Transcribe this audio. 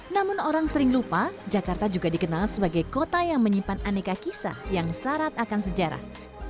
namun orang sering lupa jakarta juga dikenal sebagai kota yang menyimpan aneka kisah yang syarat akan sejarah